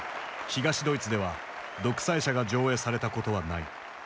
東ドイツでは「独裁者」が上映されたことはない。